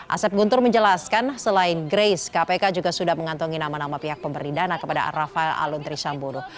asep guntur menjelaskan selain grace kpk juga sudah mengantongi nama nama pihak pemberi dana kepada rafael aluntri sambodo